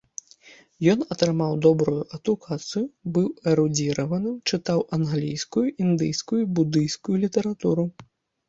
Ён атрымаў добрую адукацыю, быў эрудзіраваным, чытаў англійскую, індыйскую і будыйскую літаратуру.